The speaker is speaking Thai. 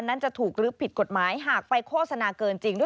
ยอมรับว่าการตรวจสอบเพียงเลขอยไม่สามารถทราบได้ว่าเป็นผลิตภัณฑ์ปลอม